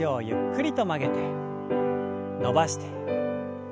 伸ばして。